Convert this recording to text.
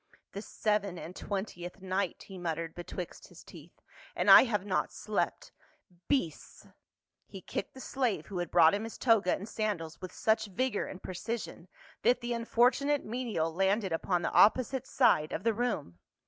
"The seven and twentieth night," he muttered be twixt his teeth, "and I have not slept. Beasts !" He kicked the slave who had brought him his toga and sandals with such vigor and precision that the unfor tunate menial landed upon the opposite side of the room.